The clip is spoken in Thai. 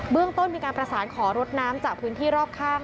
เรื่องต้นมีการประสานขอรถน้ำจากพื้นที่รอบข้าง